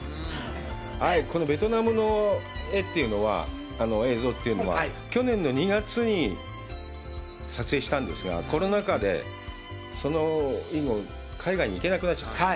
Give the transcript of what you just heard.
このベトナムの画というのは、映像というのは、去年の２月に撮影したんですが、コロナ禍で、その以後、海外に行けなくなっちゃった。